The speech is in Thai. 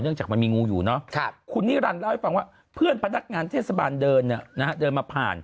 จากมันมีงูอยู่เนาะคุณนิรันดิเล่าให้ฟังว่าเพื่อนพนักงานเทศบาลเดินมาผ่าน